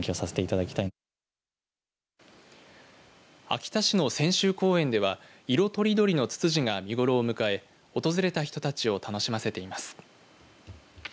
秋田市の千秋公園では色とりどりのツツジが見頃を迎え訪れた人たちを楽しませています。